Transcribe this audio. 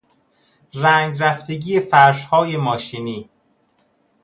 رنگ رفتگی فرشهای ماشینی